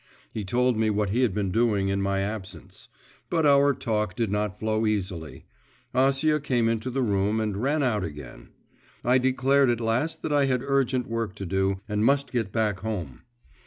He told me what he had been doing in my absence. But our talk did not flow easily; Acia came into the room and ran out again; I declared at last that I had urgent work to do, and must get back home.